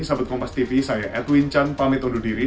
sabit kompastv saya edwin chan pamit undur diri